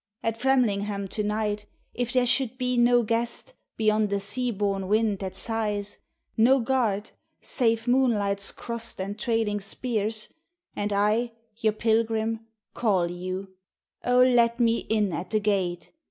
At Framlingham to night, if there should be No guest, beyond a sea born wind that sighs, No guard, save moonlight's crossed and trailing spears, And I, your pilgrim, call you, O let me In at the gate!